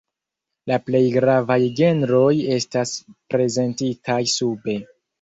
La plej gravaj genroj estas prezentitaj sube.